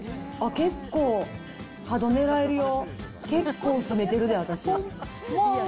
結構、角、狙えるよ、結構攻めてるで、私。